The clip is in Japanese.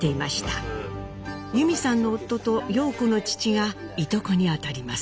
由美さんの夫と陽子の父がいとこに当たります。